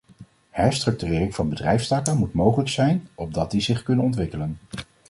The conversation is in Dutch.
Herstructurering van bedrijfstakken moet mogelijk zijn opdat die zich kunnen ontwikkelen.